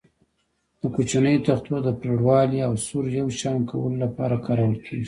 د کوچنیو تختو د پرېړوالي او سور یو شان کولو لپاره کارول کېږي.